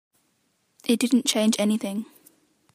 It didn't change anything.